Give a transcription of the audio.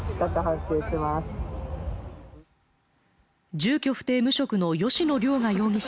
住居不定無職の吉野凌雅容疑者